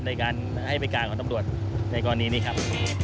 ในการให้บริการของตำรวจในกรณีนี้ครับ